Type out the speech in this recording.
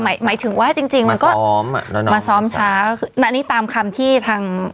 หมายหมายถึงว่าจริงจริงมันก็ซ้อมอ่ะมาซ้อมช้าอันนี้ตามคำที่ทาง